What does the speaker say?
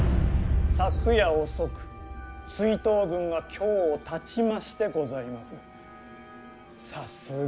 昨夜遅く追討軍が京をたちましてございます。